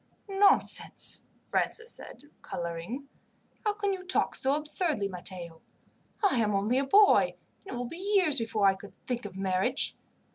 "Nonsense!" Francis said, colouring. "How can you talk so absurdly, Matteo? I am only a boy, and it will be years before I could think of marriage.